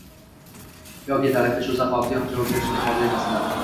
yoki talabga shu zahotiyoq javob berishga qodir emaslar.